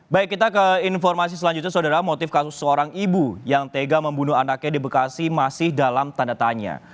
baik kita ke informasi selanjutnya saudara motif kasus seorang ibu yang tega membunuh anaknya di bekasi masih dalam tanda tanya